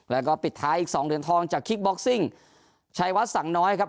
แล้วก็ปิดท้ายอีกสองเหรียญทองจากคิกบ็อกซิ่งชัยวัดสังน้อยครับ